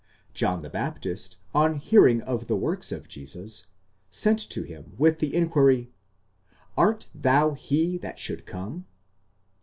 John the Baptist, on hearing of the works of Jesus (ἔργα), sent to him with the inquiry, Art thou he that should come (épxépevos)?